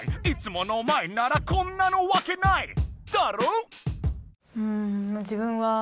「いつものおまえならこんなのワケない」だろ？